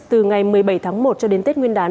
từ ngày một mươi bảy tháng một cho đến tết nguyên đán